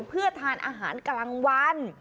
เพื่อทานอาหารกลางวัน